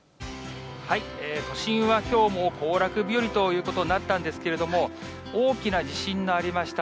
都心はきょうも行楽日和ということになったんですけれども、大きな地震がありました